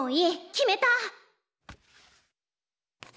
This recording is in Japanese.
決めた！